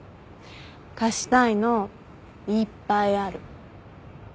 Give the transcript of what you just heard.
貸したいのいっぱいある。